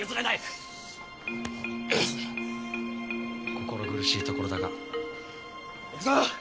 心苦しいところだが行くぞ。